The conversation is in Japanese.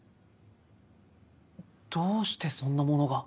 どうしてそんなものが？